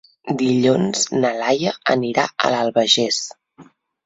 Dilluns na Laia anirà a l'Albagés.